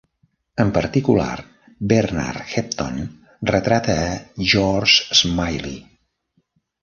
En particular, Bernard Hepton retrata a George Smiley.